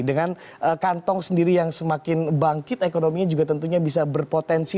dengan kantong sendiri yang semakin bangkit ekonominya juga tentunya bisa berpotensi